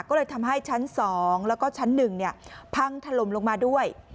ก็เลยทำให้ชั้น๒แล้วก็ชั้น๑พังถล่มลงมาด้วย